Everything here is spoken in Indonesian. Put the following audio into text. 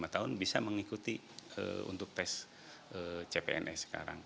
lima tahun bisa mengikuti untuk tes cpns sekarang